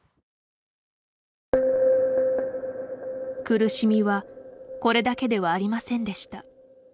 苦しみはこれだけではありませんでした。